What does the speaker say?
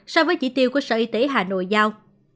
so với chỉ tiêu của sở y tế hà nội giao